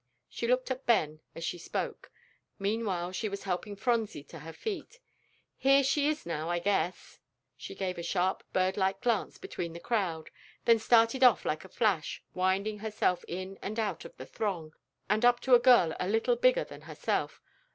She looked at Ben as she spoke. Meanwhile, she was helping Phronsie to her feet. "Here she is now, I guess." She gave a sharp, birdlike glance between the crowd, then started off like a flash, winding herself in and out of the throng, and up to a girl a little bigger than herself.